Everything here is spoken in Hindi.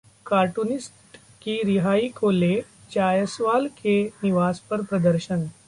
कार्टूनिस्ट की रिहाई को ले जायसवाल के निवास पर प्रदर्शन